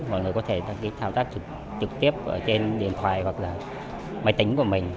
mọi người có thể đăng ký thao tác trực tiếp trên điện thoại hoặc là máy tính của mình